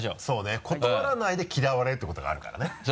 そうね断らないで嫌われるってことがあるからね。